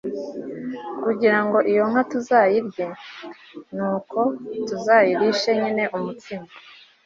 kugira ngo iyo nka tuzayirye. ni uko tuzayirishe nyine umutsima